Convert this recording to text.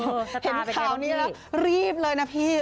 เห็นข่าวนี้แล้วรีบเลยนะพี่